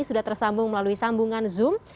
sudah tersambung melalui sambungan zoom